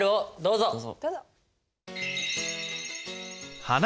どうぞ。